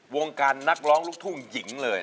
วงการนักร้องลูกทุ่งหญิงเลย